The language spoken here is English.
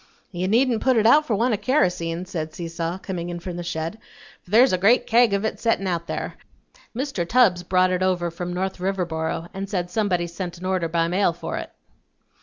"You needn't put it out for want o' karosene," said Seesaw, coming in from the shed, "for there's a great kag of it settin' out there. Mr. Tubbs brought it over from North Riverboro and said somebody sent an order by mail for it."